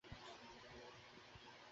আমাদের বের করো।